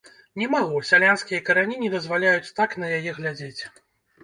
Не магу, сялянскія карані не дазваляюць так на яе глядзець.